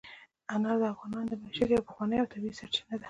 انار د افغانانو د معیشت یوه پخوانۍ او طبیعي سرچینه ده.